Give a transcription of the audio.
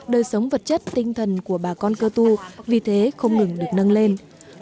đời sống vật chất tinh thần của bà con cơ tu vì thế không ngừng được nâng lên